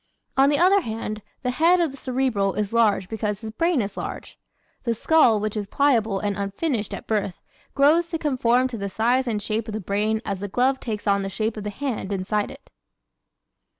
On the other hand, the head of the Cerebral is large because his brain is large. The skull which is pliable and unfinished at birth grows to conform to the size and shape of the brain as the glove takes on the shape of the hand inside it.